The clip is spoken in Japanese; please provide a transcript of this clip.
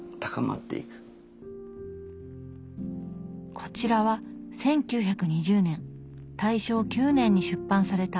こちらは１９２０年大正９年に出版された「ピノチヨ」。